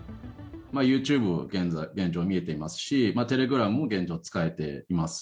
ユーチューブも現状見れていますし、テレグラムも現状使えています。